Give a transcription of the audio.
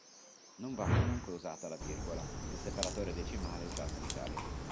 Non va comunque usata la virgola, il separatore decimale usato in Italia.